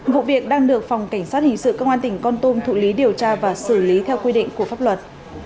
vụ việc đang được phòng cảnh sát hình sự công an tỉnh con tum thụ lý điều tra và xử lý theo quy định của pháp luật